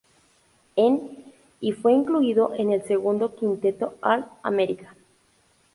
En y fue incluido en el segundo quinteto All-America.